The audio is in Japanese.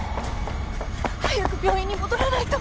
早く病院に戻らないと！